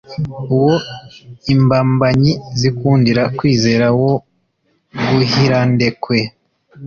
Uwo imbambanyi zikundira kwizera wa rwuhirandekwe,